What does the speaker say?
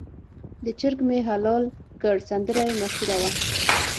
د چرګ مې حلال کړ سندره یې مشهوره وه.